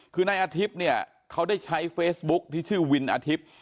คือนายอาทิตย์เนี่ยเขาได้ใช้เฟซบุ๊คที่ชื่อวินอาทิตย์